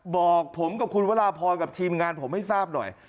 บอกผมกับคุณวราพรกับทีมงานผมให้ทราบหน่อย